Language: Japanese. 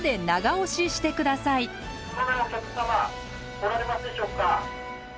「お客様おられますでしょうか」。